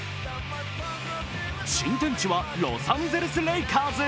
新天地はロサンゼルス・レイカーズ